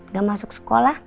gak masuk sekolah